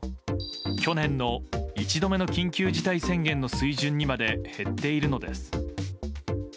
去年の１度目の緊急事態宣言の水準にまで減っているのです。